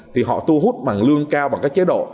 thì họ thu hút bằng lương cao bằng các chế độ